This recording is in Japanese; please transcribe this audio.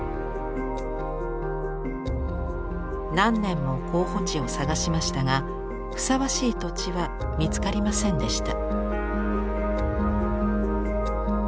何年も候補地を探しましたがふさわしい土地は見つかりませんでした。